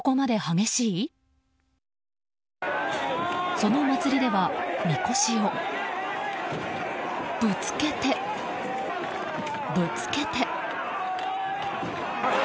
その祭りではみこしをぶつけて、ぶつけて。